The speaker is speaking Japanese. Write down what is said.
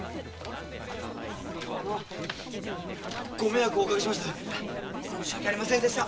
ああのご迷惑をおかけしました。